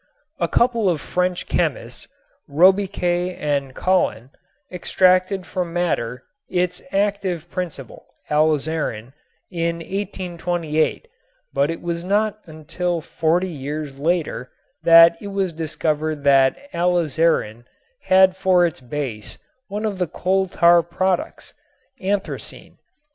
A couple of French chemists, Robiquet and Colin, extracted from madder its active principle, alizarin, in 1828, but it was not until forty years later that it was discovered that alizarin had for its base one of the coal tar products, anthracene.